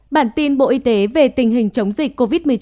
bản tin bộ y tế về tình hình chống dịch covid một mươi chín